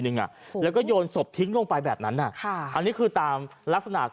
หนึ่งนะแล้วก็โยนสบทิ้งลงไปแบบนั้นนะหาวนี้คือตามลักษณะของ